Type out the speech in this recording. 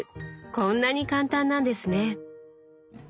こんなに簡単なんですね！